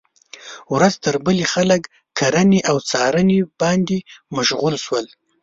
ورځ تر بلې خلک کرنې او څارنې باندې مشغول شول.